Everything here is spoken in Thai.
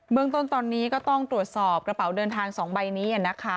เมืองต้นตอนนี้ก็ต้องตรวจสอบกระเป๋าเดินทาง๒ใบนี้นะคะ